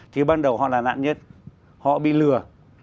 thì ban đầu họ là nạn nhân họ bị lừa